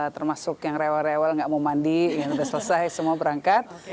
termasuk yang rewel rewel gak mau mandi ingin udah selesai semua berangkat